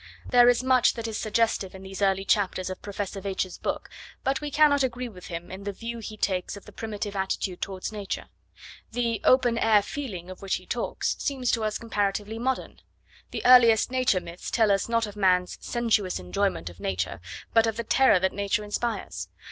There is much that is suggestive in these early chapters of Professor Veitch's book, but we cannot agree with him in the view he takes of the primitive attitude towards Nature. The 'open air feeling,' of which he talks, seems to us comparatively modern. The earliest Nature myths tell us, not of man's 'sensuous enjoyment' of Nature, but of the terror that Nature inspires.